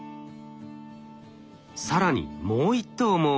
更にもう１頭も。